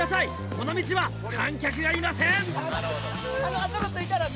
この道は観客がいません！